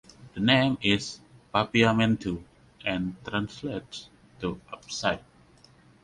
The name is Papiamentu and translates to "up side".